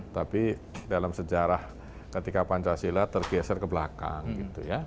tapi dalam sejarah ketika pancasila tergeser ke belakang gitu ya